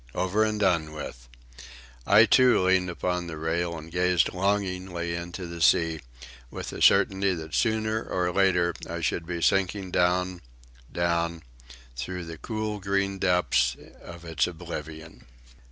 Over and done with! I, too, leaned upon the rail and gazed longingly into the sea, with the certainty that sooner or later I should be sinking down, down, through the cool green depths of its oblivion.